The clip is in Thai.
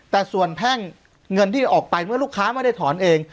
แต่ส่วนแพ่งเงินที่ออกไปเมื่อลูกค้าไม่ได้ถอนเอง